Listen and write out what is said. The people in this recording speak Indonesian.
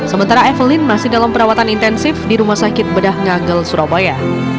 sementara evelyn masih dalam perawatan intensif di rumah sakit bedah ngagel surabaya